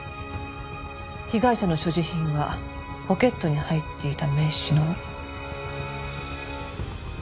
被害者の所持品はポケットに入っていた名刺のみ。